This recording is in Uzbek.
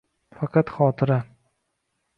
Faqat xotira.